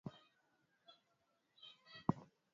Kwetu, ingawa mbali, ndipo tunaelekea.